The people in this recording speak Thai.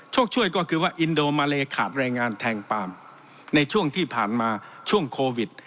ช่วยก็คือว่าอินโดมาเลขาดแรงงานแทงปาล์มในช่วงที่ผ่านมาช่วงโควิด